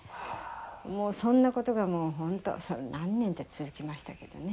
もうそんな事が本当何年と続きましたけどね」